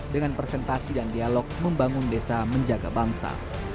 dengan presentasi dan dialog membangun desa menjaga bangsa